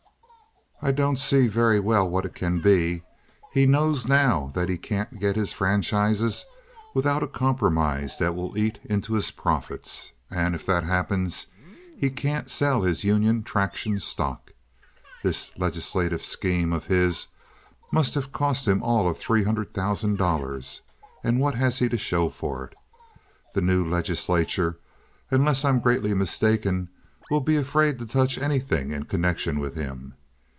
"I don't see very well what it can be. He knows now that he can't get his franchises without a compromise that will eat into his profits, and if that happens he can't sell his Union Traction stock. This legislative scheme of his must have cost him all of three hundred thousand dollars, and what has he to show for it? The new legislature, unless I'm greatly mistaken, will be afraid to touch anything in connection with him.